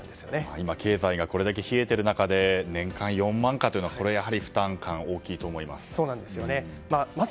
今、経済がこれだけ冷えている中で年間４万かというのはやはり負担感大きいと思います。